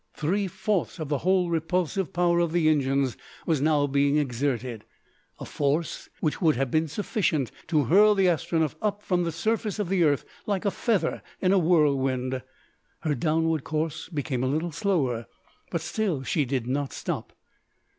Three fourths of the whole repulsive power of the engines was now being exerted a force which would have been sufficient to hurl the Astronef up from the surface of the Earth like a feather in a whirlwind. Her downward course became a little slower, but still she did not stop.